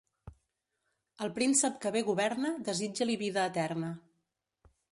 Al príncep que bé governa, desitja-li vida eterna.